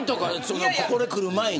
ここへ来る前に。